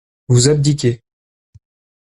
Vous abdiquez.